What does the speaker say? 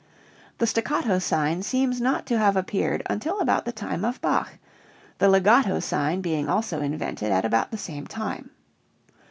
The staccato sign seems not to have appeared until about the time of Bach, the legato sign being also invented at about the same time.